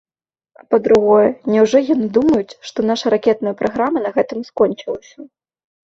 А па-другое, няўжо яны думаюць, што наша ракетная праграма на гэтым скончылася?